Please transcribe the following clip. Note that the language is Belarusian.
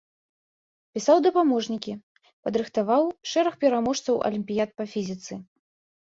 Пісаў дапаможнікі, падрыхтаваў шэраг пераможцаў алімпіяд па фізіцы.